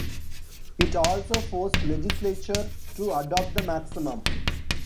It also forced legislature to adopt the Maximum.